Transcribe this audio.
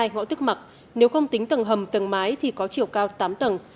hai mươi hai ngõ tức mặc nếu không tính tầng hầm tầng mái thì có chiều cao tám tầng